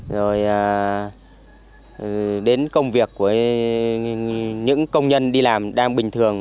rồi đến công việc của những công nhân đi làm đang bình thường